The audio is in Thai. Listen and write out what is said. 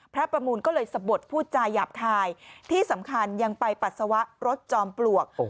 ประมูลก็เลยสะบดพูดจาหยาบคายที่สำคัญยังไปปัสสาวะรถจอมปลวก